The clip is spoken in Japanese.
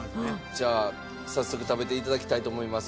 じゃあ早速食べて頂きたいと思います